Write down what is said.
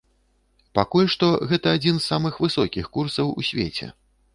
Пакуль што гэта адзін з самых высокіх курсаў у свеце.